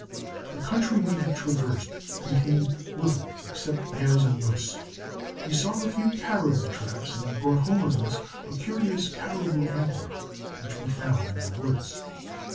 The country we had traversed contained little except bears and moose. We saw a few caribou tracks, and brought home with us a curious caribou antler, which we found in the woods.